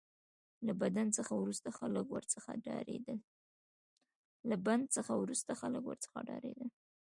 له بند څخه وروسته خلک ورڅخه ډاریدل.